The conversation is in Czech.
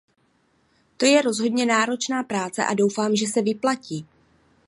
To je rozhodně náročná práce a doufám, že se vyplatí.